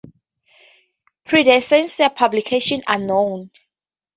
Predecessor publications are known.